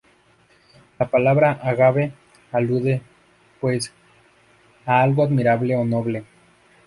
La palabra "agave" alude, pues, a algo admirable o noble.